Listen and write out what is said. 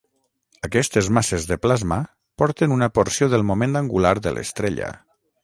Aquestes masses de plasma porten una porció del moment angular de l'estrella.